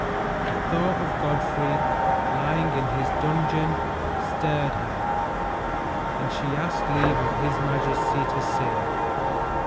The thought of Godfrey lying in his dungeon stirred her, and she asked leave of his majesty to sing.